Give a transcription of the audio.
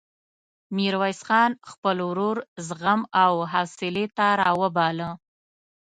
ميرويس خان خپل ورور زغم او حوصلې ته راوباله.